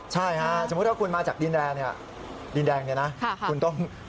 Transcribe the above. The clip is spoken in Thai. ใช่ฮะถ้าคุณมาจากดินแดงนี่นะคุณต้องขึ้นทอเวย์ทันที